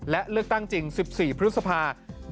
และเลือกตั้งจริง๑๔พฤษภา